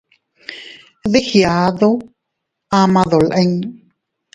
Dii giadu ama dolin.